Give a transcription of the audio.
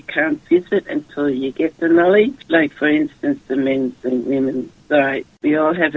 yang tidak bisa anda jelaskan sampai anda bisa melihatnya